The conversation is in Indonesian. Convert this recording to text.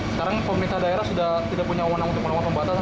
sekarang pemerintah daerah sudah tidak punya keundangan buat lakukan pembatasan